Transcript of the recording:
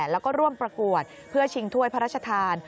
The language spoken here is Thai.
แล้วก็ร่วมประกวดเพื่อชิงถ้วยพระราชทาน